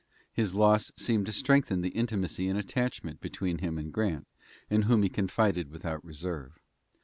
His loss seemed to strengthen the intimacy and attachment between him and Grant, in whom he confided without reserve.